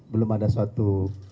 belum ada suatu